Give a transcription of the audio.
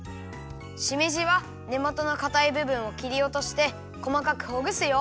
しめじはねもとのかたいぶぶんをきりおとしてこまかくほぐすよ。